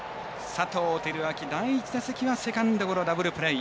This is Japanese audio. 佐藤輝明、第１打席はセカンドゴロ、ダブルプレー。